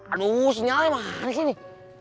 aduh sinyalnya mana sih ini